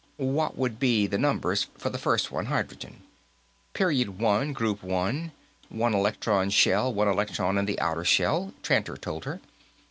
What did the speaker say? "What would the numbers be for the first one, hydrogen?" "Period One, Group One. One electron shell, one electron in the outer shell," Tranter told her.